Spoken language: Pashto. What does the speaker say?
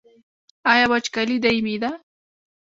آیا وچکالي دایمي ده؟